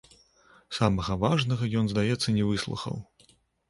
Самага важнага ён, здаецца, не выслухаў.